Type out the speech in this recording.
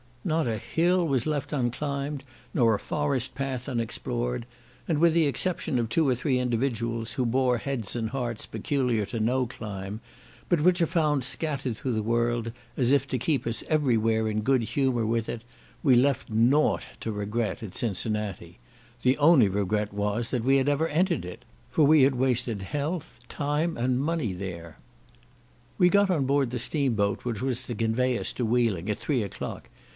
Not a hill was left unclimbed, nor a forest path unexplored; and, with the exception of two or three individuals, who bore heads and hearts peculiar to no clime, but which are found scattered through the world, as if to keep us every where in good humour with it, we left nought to regret at Cincinnati. The only regret was, that we had ever entered it; for we had wasted health, time, and money there. We got on board the steam boat which was to convey us to Wheeling at three o'clock.